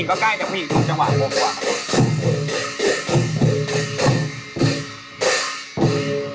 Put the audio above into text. โอ้โห